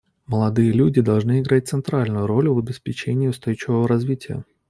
Молодые люди должны играть центральную роль в обеспечении устойчивого развития.